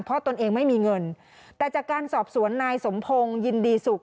เพราะตนเองไม่มีเงินแต่จากการสอบสวนนายสมพงศ์ยินดีสุข